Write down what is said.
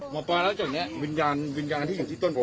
หมอปลายืนแล้วจากนี้วิญญาณที่อยู่ที่ต้นโพ